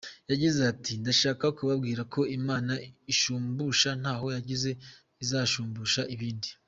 Yagize ati “Ndashaka kubabwira ko Imana inshumbusha ntaho yagiye, izanshumbusha ibindi.